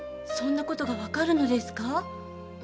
そんなことがわかるのですか？